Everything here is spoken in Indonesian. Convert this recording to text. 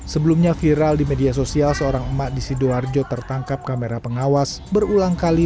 sebelumnya viral di media sosial seorang emak di sidoarjo tertangkap kamera pengawas berulang kali